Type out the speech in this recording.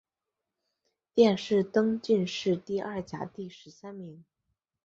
殿试登进士第二甲第十三名。